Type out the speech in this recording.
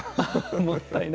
もったいない。